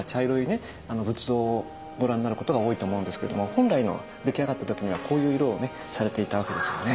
仏像をご覧になることが多いと思うんですけども本来の出来上がった時にはこういう色をされていたわけですよね。